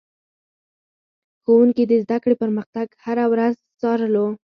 ښوونکي د زده کړې پرمختګ هره ورځ څارلو.